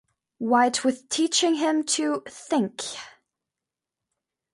White with teaching him "to think".